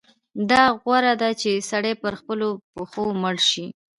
دا غوره ده چې سړی پر خپلو پښو مړ شي.